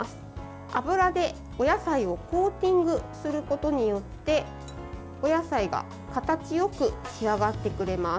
油で、お野菜をコーティングすることによってお野菜が形よく仕上がってくれます。